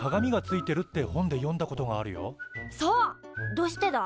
どしてだ？